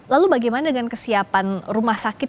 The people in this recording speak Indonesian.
lalu bagaimana dengan kesiapan rumah sakit